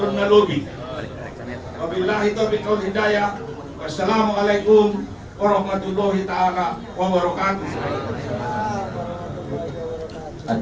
secara huruf saja